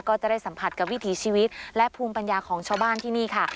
ก็จะได้สัมผัสกับวิถีชีวิตและภูมิปัญญาของชาวบ้านที่นี่ค่ะ